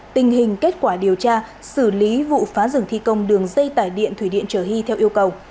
tình hình kết quả điều tra xử lý vụ phá rừng thi công đường dây tải điện thủy điện trở hy theo yêu cầu